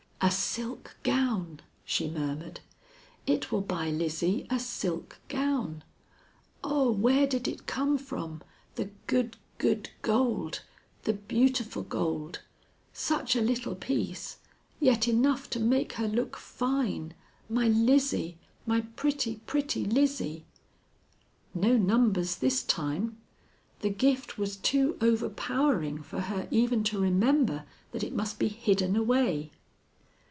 "A silk gown," she murmured. "It will buy Lizzie a silk gown. Oh! where did it come from, the good, good gold, the beautiful gold; such a little piece, yet enough to make her look fine, my Lizzie, my pretty, pretty Lizzie?" No numbers this time. The gift was too overpowering for her even to remember that it must be hidden away.